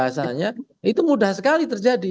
bahasanya itu mudah sekali terjadi